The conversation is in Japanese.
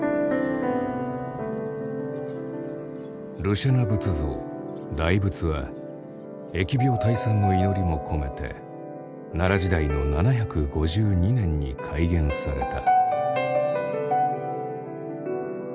盧舎那仏像大仏は疫病退散の祈りも込めて奈良時代の７５２年に開眼された。